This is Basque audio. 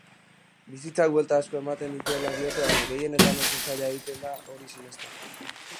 Bizitzak buelta asko ematen dituela diote baina gehienetan oso zaila egiten da hori sinestea.